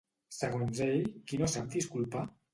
Segons ell, qui no sap disculpar?